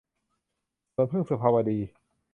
สวนผึ้ง - สุภาวดี